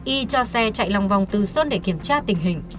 y cho xe chạy lòng vòng từ sơn để kiểm tra tình hình